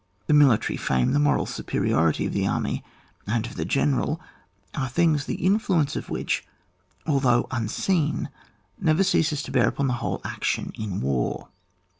The military fame, the moral superiority of the army and of the general, are things, the influence of which, although im seen, never ceases to bear upon the whole action in war.